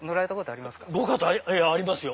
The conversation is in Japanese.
ありますよ。